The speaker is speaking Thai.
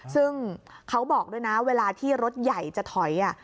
ซึ่งเขาบอกด้วยนะเวลาที่รถใหญ่จะถอย